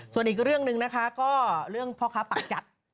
ส่วนอีกเรื่องหนึ่งนะคะก็เรื่องพ่อค้าปากจัด